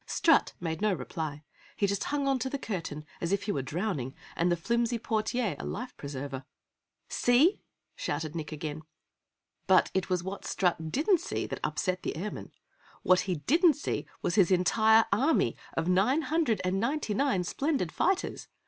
Strut made no reply. He just hung on to the curtain as if he were drowning and the flimsy portiere, a life preserver. "See!" shouted Nick again. But it was what Strut didn't see that upset the Airman! What he didn't see was his entire army of nine hundred and ninety nine splendid fighters!